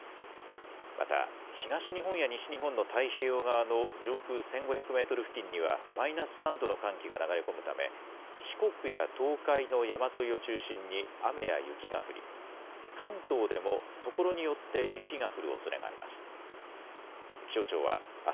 また東日本や西日本の太平洋側の上空１５００メートル付近には、マイナス３度の寒気が流れ込むため、四国や東海の山沿いを中心に雨や雪が降り、関東でもところによって雪が降るおそれがあります。